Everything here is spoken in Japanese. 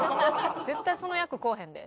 絶対その役来うへんで。